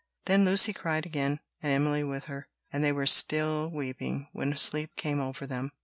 Then Lucy cried again, and Emily with her; and they were still weeping when sleep came over them.